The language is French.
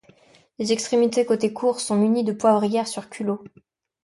Les extrémités côté cour sont munies de poivrières sur culot.